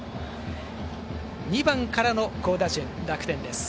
２番からの好打順、楽天です。